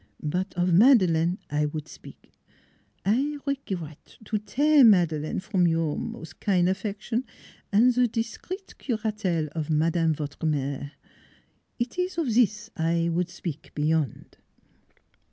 " But of Madeleine I would spik. I regret to tear Madeleine from your mos' kin' affection an' ze Discreet curatelle of madame, votre mere. Eet ees of zis I would spik beyond."